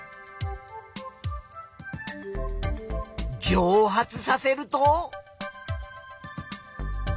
蒸発させると。